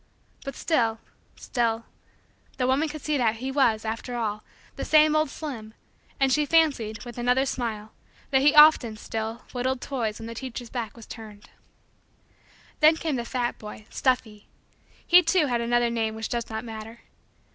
But still still the woman could see that he was, after all, the same old "Slim" and she fancied, with another smile, that he often, still, whittled toys when the teacher's back was turned. Then came the fat boy "Stuffy." He, too, had another name which does not matter.